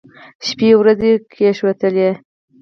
شپې ورځې کښېوتلې.